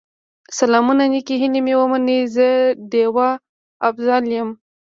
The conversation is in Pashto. سلامونه نیکې هیلې مې ومنئ، زه ډيوه افضل یم